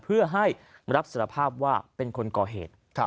เพื่อให้รับสารภาพว่าเป็นคนก่อเหตุ